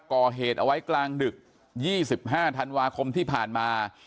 ก่อเหตุเอาไว้กลางดึก๒๕ธันวาคมที่ผ่านมา